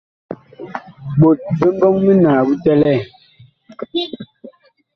Ɓot bi mbɔŋ minaa bu bi tɛlɛɛ.